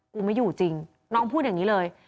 ไม่อยู่จริงน้องพูดอย่างนี้เลย